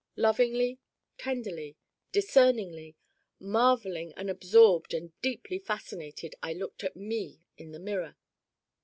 Lovingly, tenderly, discerningly, marveling and absorbed and deeply fascinated I looked at Me in the mirror.